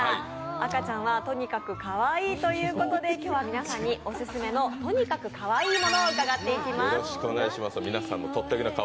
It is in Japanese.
赤ちゃんはとにかくかわいいということで、今日は皆さんにオススメのとにかくかわいいものを伺っていきます。